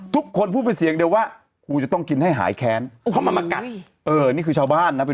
ทุกคนพูดไปเสียงเดียวว่ากูจะต้องกินให้หายแค้น